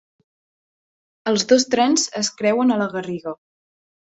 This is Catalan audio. Els dos trens es creuen a la Garriga.